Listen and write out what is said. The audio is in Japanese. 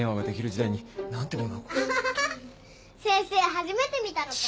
初めて見たのか？